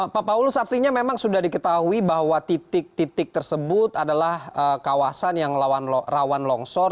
pak paulus artinya memang sudah diketahui bahwa titik titik tersebut adalah kawasan yang rawan longsor